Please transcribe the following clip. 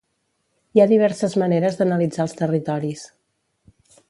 Hi ha diverses maneres d'analitzar els territoris.